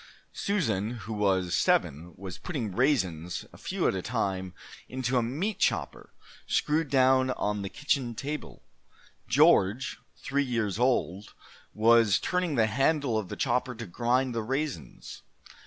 Susan, who was seven, was putting raisins, a few at a time, into a meat chopper screwed down on the kitchen table. George, three years old, was turning the handle of the chopper to grind the raisins.